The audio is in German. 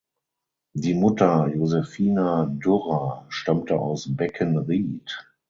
Die Mutter Josephina Durrer stammte aus Beckenried.